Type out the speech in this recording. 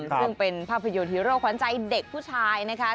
ซึ่งเป็นภาพยนตร์ฮีโร่ขวัญใจเด็กผู้ชายนะคะ